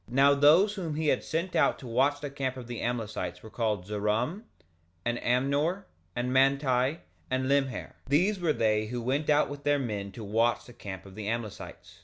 2:22 Now those whom he had sent out to watch the camp of the Amlicites were called Zeram, and Amnor, and Manti, and Limher; these were they who went out with their men to watch the camp of the Amlicites.